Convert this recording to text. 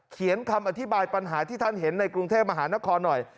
เขียนคำอธิบายปัญหาที่ท่านเห็นในกรุงเทพมหานครหน่อย